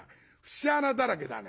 節穴だらけだね。